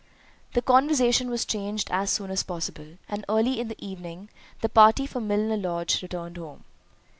The conversation was changed as soon as possible, and early in the evening the party from Milner Lodge returned home.